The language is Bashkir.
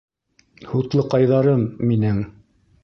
Һутлыҡайҙарым минең